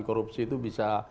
korupsi itu bisa